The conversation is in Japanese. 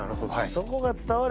そこが伝われば。